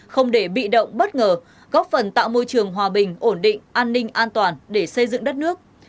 không để bị động bất ngờ góp phần tạo môi trường hòa bình ổn định an ninh an toàn để xây dựng đất nước